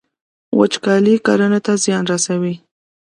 وچکالي کرنې ته زیان رسوي.